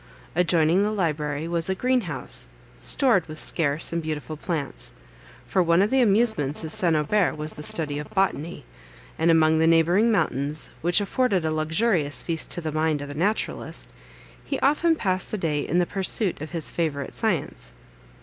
Adjoining the library was a green house, stored with scarce and beautiful plants; for one of the amusements of St. Aubert was the study of botany, and among the neighbouring mountains, which afforded a luxurious feast to the mind of the naturalist, he often passed the day in the pursuit of his favourite science.